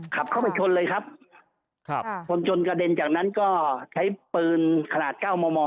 ขับเข้าไปชนเลยครับครับชนกระเด็นจากนั้นก็ใช้ปืนขนาดเก้ามอมอ